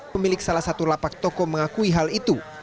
pemilik salah satu lapak toko mengakui hal itu